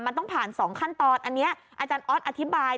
มันต้องผ่าน๒ขั้นตอนอันนี้อาจารย์ออสอธิบาย